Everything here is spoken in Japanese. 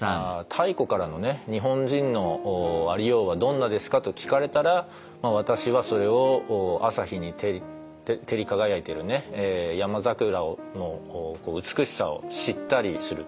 「太古からのね日本人のありようはどんなですか？」と聞かれたら私はそれを朝日に照り輝いてる山桜の美しさを知ったりする。